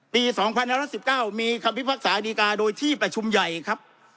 ปีสองพันห้าร้อยสิบเก้ามีคำพิพักษาดีกาโดยที่ประชุมใหญ่ครับ